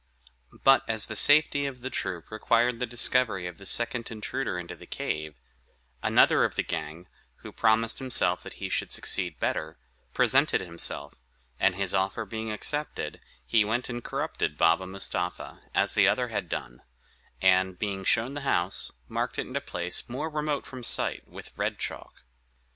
But as the safety of the troop required the discovery of the second intruder into the cave, another of the gang, who promised himself that he should succeed better, presented himself, and his offer being accepted, he went and corrupted Baba Mustapha, as the other had done; and, being shown the house, marked it in a place more remote from sight with red chalk.